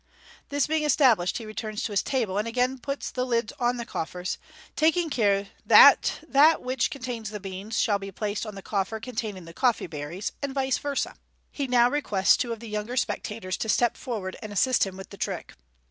This being estab lished, he returns to his table, and again puts the lids on the coffers, taking care that that which contains the beans shall be placed on the coffer containing the coff t e berries, and vice versa. He now requests two of the younger spectators to step forward, and assist him with the trick.